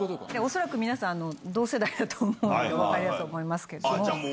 恐らく皆さん、同世代だと思うので、分かると思いますけれども。